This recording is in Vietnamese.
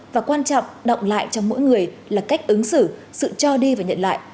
và quan trọng động lại trong mỗi người là cách ứng xử sự cho đi và nhận lại